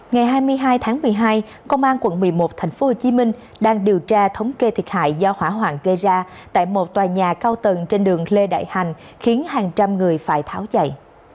ngày hai mươi hai tháng một mươi hai công an quận một mươi một thành phố hồ chí minh đang điều tra thống kê thiệt hại do hỏa hoạn gây ra tại một tòa nhà cao tầng trên đường lê đại hành khiến hàng trăm người phải tháo dậy